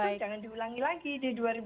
jangan diulangi lagi di dua ribu dua puluh